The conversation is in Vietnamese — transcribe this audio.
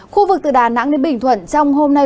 khu vực từ đà nẵng đến bình thuận trong hôm nay